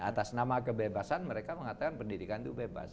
atas nama kebebasan mereka mengatakan pendidikan itu bebas